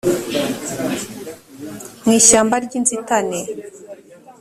mu ishyamba ry inzitane